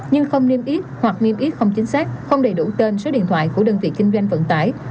nhưng không niêm yết hoặc niêm yết không chính xác không đầy đủ tên số điện thoại của đơn vị kinh doanh vận tải